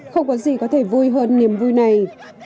không có gì có thể vui hơn niềm vui này